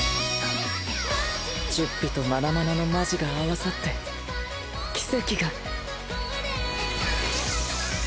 チュッピとマナマナのマジが合わさって奇跡が。